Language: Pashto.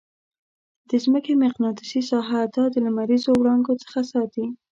د مځکې مقناطیسي ساحه دا د لمریزو وړانګو څخه ساتي.